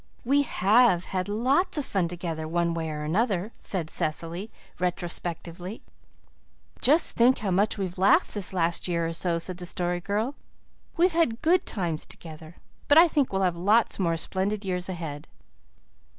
"We HAVE had lots of fun together one way or another," said Cecily, retrospectively. "Just think how much we've laughed this last year or so," said the Story Girl. "We've had good times together; but I think we'll have lots more splendid years ahead."